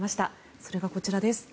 それがこちらです。